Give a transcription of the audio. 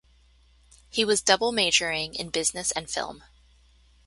He was double majoring in Business and Film.